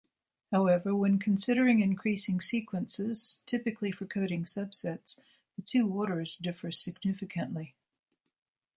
However, when considering increasing sequences, typically for coding subsets, the two orders differ significantly.